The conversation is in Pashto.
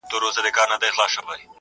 مُلا عزیز دی ټولو ته ګران دی،